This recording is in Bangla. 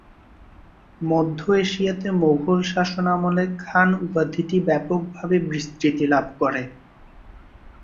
মধ্য এশিয়াতে মোঘল শাসন আমলে খান' উপাধিটি ব্যাপক ভাবে বিস্তৃতি লাভ করে।